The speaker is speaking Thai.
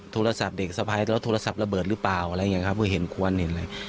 โทรศัพท์เด็กสะพายแล้วโทรศัพท์ระเบิดหรือเปล่าอะไรอย่างนี้ครับก็เห็นควรเห็นอะไร